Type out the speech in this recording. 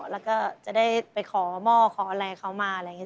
แล้วก็จะได้ไปขอหม้อขออะไรเขามาอะไรอย่างนี้